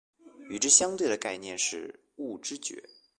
与之相对的概念是物知觉。